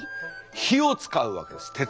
火を使うわけです。